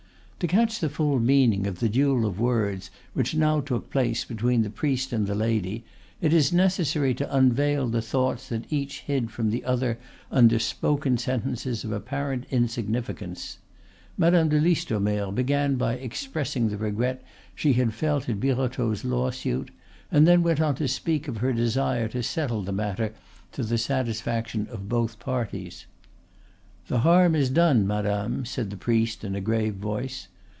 To catch the full meaning of the duel of words which now took place between the priest and the lady, it is necessary to unveil the thoughts that each hid from the other under spoken sentences of apparent insignificance. Madame de Listomere began by expressing the regret she had felt at Birotteau's lawsuit; and then went on to speak of her desire to settle the matter to the satisfaction of both parties. "The harm is done, madame," said the priest, in a grave voice.